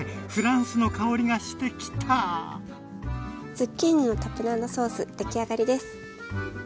ズッキーニのタプナードソースできあがりです。